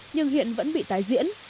nhưng hiện vẫn bị tái diễn